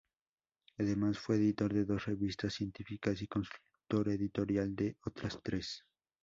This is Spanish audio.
Además fue editor de dos revistas científicas, y consultor editorial de otras tres.